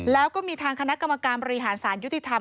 แล้วก็มีทางคณะกรรมการบริหารสารยุติธรรม